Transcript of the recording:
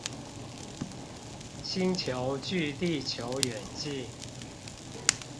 星球距地球遠近